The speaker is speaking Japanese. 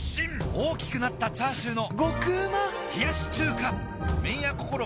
大きくなったチャーシューの麺屋こころ